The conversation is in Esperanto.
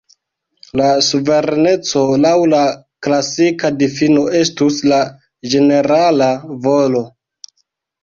La Suvereneco laŭ la klasika difino estus la ĝenerala volo.